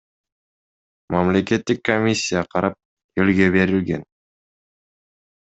Мамлекеттик комиссия карап, элге берилген.